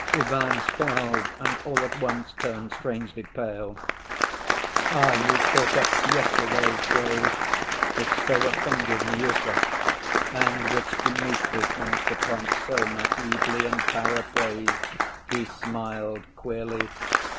Ivan scowled, and all at once turned strangely pale. "Ah, you've caught up yesterday's phrase, which so offended Miüsov—and which Dmitri pounced upon so naïvely, and paraphrased!" he smiled queerly.